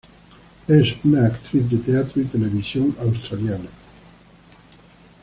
Es una actriz de teatro y televisión australianos.